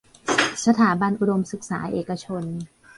สถาบันอุดมศึกษาเอกชน